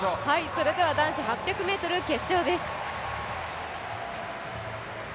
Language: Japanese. それでは男子８００ｍ決勝です。